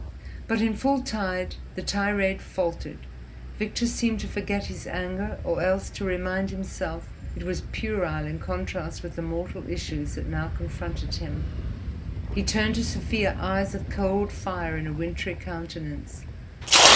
But in full tide the tirade faltered, Victor seemed to forget his anger or else to remind himself it was puerile in contrast with the mortal issues that now confronted him. He turned to Sofia eyes of cold fire in a wintry countenance.